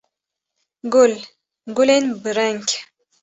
Gul, gulên bi reng